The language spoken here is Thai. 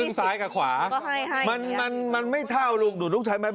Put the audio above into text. เดี๋ยวน้องไฟฟ้าหนูอยู่และถามตอบ